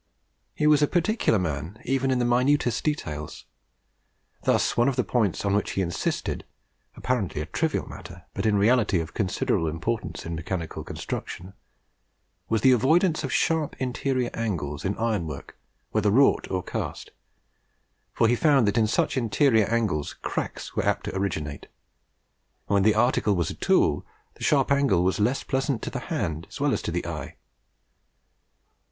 He was particular even in the minutest details. Thus one of the points on which he insisted apparently a trivial matter, but in reality of considerable importance in mechanical construction was the avoidance of sharp interior angles in ironwork, whether wrought or cast; for he found that in such interior angles cracks were apt to originate; and when the article was a tool, the sharp angle was less pleasant to the hand as well as to the eye.